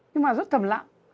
nhưng mà rất thầm lặng